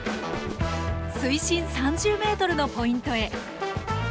水深３０ｍのポイントへ。